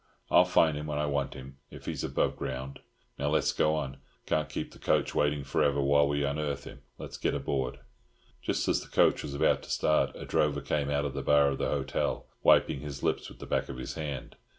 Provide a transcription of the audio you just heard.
I'll find him when I want him if he's above ground. Now let's go on. Can't keep the coach waiting for ever while we unearth him. Let's get aboard." Just as the coach was about to start a drover came out of the bar of the hotel, wiping his lips with the back of his hand.